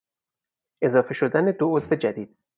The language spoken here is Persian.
اضافه شدن دو عضو جدید